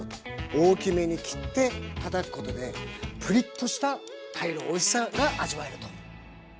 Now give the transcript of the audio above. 大きめに切ってたたくことでプリッとした鯛のおいしさが味わえると。